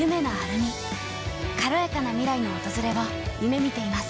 軽やかな未来の訪れを夢みています。